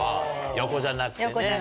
横じゃなくて。